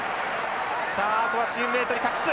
さああとはチームメートに託す。